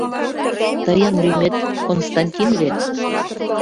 Тыйын лӱмет Константин вет?